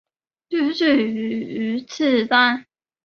居住于宇治山。